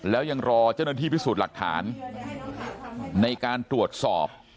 แล้วยังรอเจ้าหน้าที่พิสูจน์หลักฐานในการตรวจสอบ